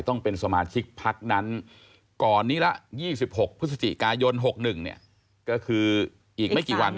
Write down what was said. ต้องเป็นสมาชิกพักนั้นก่อนนี้ละ๒๖พฤศจิกายน๖๑ก็คืออีกไม่กี่วัน